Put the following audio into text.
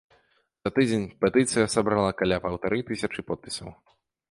За тыдзень петыцыя сабрала каля паўтары тысячы подпісаў.